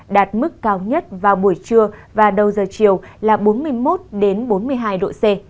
đạt mức cao nhất vào buổi trưa và đầu giờ chiều là bốn mươi một bốn mươi hai độ c